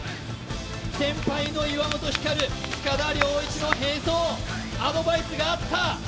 先輩の岩本照塚田僚一の併走アドバイスがあった！